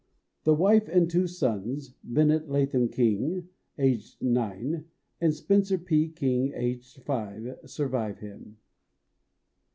The wife and two sons, Bennett Latham King, aged nine, and Spencer P. King, aged five, survive him.